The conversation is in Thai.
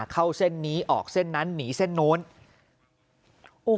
เข้าเส้นนี้ออกเส้นนั้นหนีเส้นโน้น